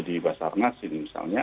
di basarnas ini misalnya